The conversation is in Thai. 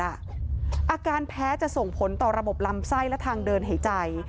อาการแพ้จะส่งผลต่อระบบลำไส้และทางเดินหายใจ